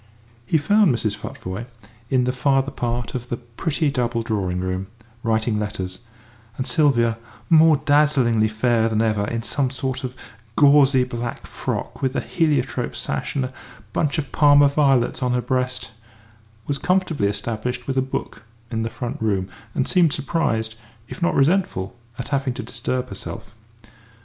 He found Mrs. Futvoye in the farther part of the pretty double drawing room, writing letters, and Sylvia, more dazzlingly fair than ever in some sort of gauzy black frock with a heliotrope sash and a bunch of Parma violets on her breast, was comfortably established with a book in the front room, and seemed surprised, if not resentful, at having to disturb herself.